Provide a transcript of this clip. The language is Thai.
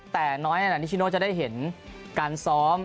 แต่น้อยขนาดนิชิโนจะได้เห็นการซ้อม